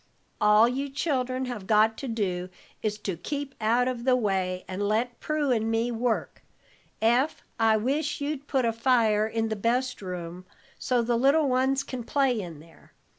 All you children have got to do is to keep out of the way, and let Prue and me work. Eph, I wish you'd put a fire in the best room, so the little ones can play in there.